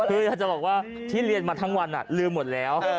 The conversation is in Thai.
คืออยากจะบอกว่าที่เรียนมาทั้งวันลืมหมดแล้ว